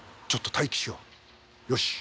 ちょっと待機しよう。